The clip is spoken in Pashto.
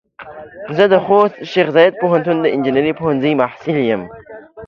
زه د خوست شیخ زايد پوهنتون د انجنیري پوهنځۍ محصل يم.